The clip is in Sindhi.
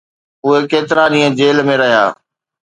اهي ڪيترا ڏينهن جيل ۾ رهيا